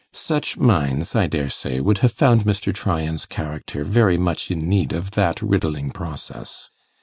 Such minds, I daresay, would have found Mr. Tryan's character very much in need of that riddling process.